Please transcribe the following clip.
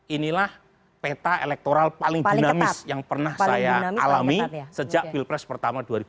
inilah peta elektoral paling dinamis yang pernah saya alami sejak pilpres pertama dua ribu sembilan belas